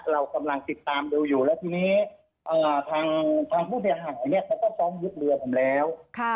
เรากำลังติดตามดูอยู่แล้วทีนี้ทางผู้เสียหายเนี่ยเขาก็ฟ้องยึดเรือผมแล้ว